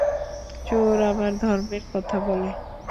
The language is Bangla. চোর আবার ধর্মের কথা বলে!